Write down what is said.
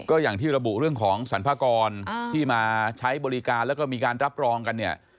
ก็อย่างที่ระบุเรื่องของสรรพากรที่มาใช้บริการแล้วก็มีการรับรองกันเนี่ย